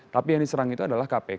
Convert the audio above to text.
tapi yang diserang itu adalah kpk